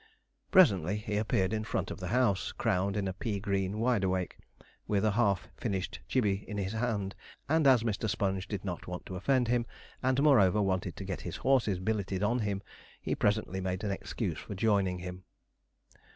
Presently he appeared in front of the house, crowned in a pea green wide awake, with a half finished gibbey in his hand; and as Mr. Sponge did not want to offend him, and moreover wanted to get his horses billeted on him, he presently made an excuse for joining him.